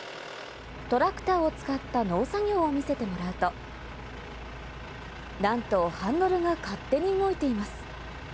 トラクターを使った農作業を見せてもらうと、なんとハンドルが勝手に動いています。